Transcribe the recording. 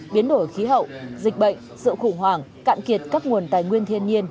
biến đổi khí hậu dịch bệnh sự khủng hoảng cạn kiệt các nguồn tài nguyên thiên nhiên